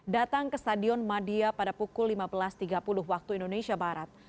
datang ke stadion madia pada pukul lima belas tiga puluh waktu indonesia barat